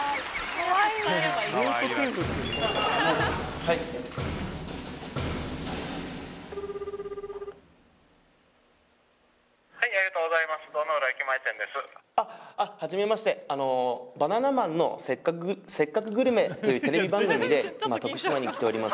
はいあの「バナナマンのせっかくグ」「せっかくグルメ！！」というテレビ番組で今徳島に来ております